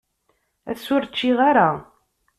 Ass-a, ur ččiɣ ara.